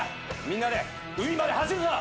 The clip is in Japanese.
みんなで海まで走るぞ。